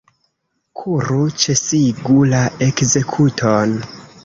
Kuru, ĉesigu la ekzekuton!